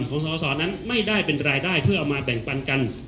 สอสอนั้นไม่ได้เป็นรายได้เพื่อเอามาแบ่งปันกัน